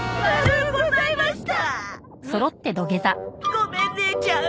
ごめん姉ちゃん